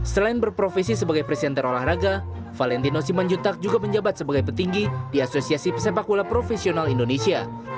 selain berprofesi sebagai presenter olahraga valentino simanjuntak juga menjabat sebagai petinggi di asosiasi pesepak bola profesional indonesia